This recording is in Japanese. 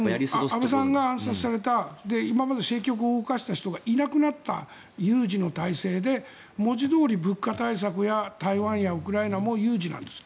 安倍さんが暗殺された今まで政局を動かす人がいなくなった、有事の対策で文字どおり物価対策や台湾やウクライナも有事なんです。